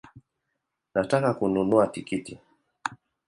Nataka kununua tikiti